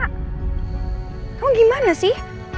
kamu gimana sih